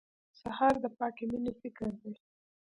سهار د پاکې مېنې فکر دی.